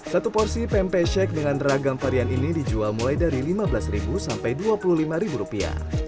satu porsi pempek shek dengan ragam varian ini dijual mulai dari lima belas sampai dua puluh lima rupiah